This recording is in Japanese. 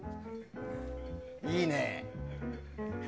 いいね。